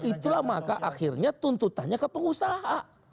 itulah maka akhirnya tuntutannya ke pengusaha